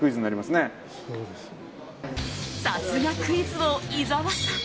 さすがクイズ王・伊沢さん！